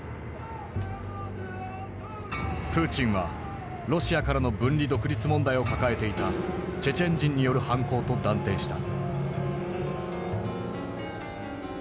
プーチンはロシアからの分離独立問題を抱えていたチェチェン人による犯行と断定した。